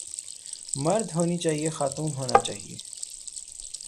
مرد ہونی چاہئے خاتون ہونا چاہئے